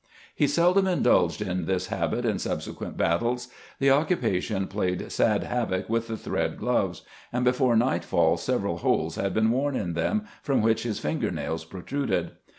He seldom indulged in this habit in subsequent battles. The occupation played sad havoc with the thread gloves, and before nightfall several holes had been worn in them, from which his finger nails protruded.